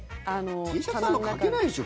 Ｔシャツなんかかけないでしょ